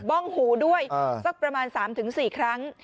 ้องหูด้วยสักประมาณ๓๔ครั้ง